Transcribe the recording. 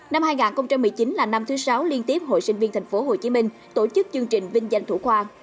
năm hai nghìn một mươi chín là năm thứ sáu liên tiếp hội sinh viên tp hcm tổ chức chương trình vinh danh thủ khoa